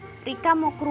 neng rika mau kerja